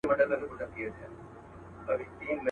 شتُرمرغ ویله زه ستاسي پاچا یم.